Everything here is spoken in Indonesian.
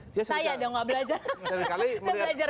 saya yang nggak belajar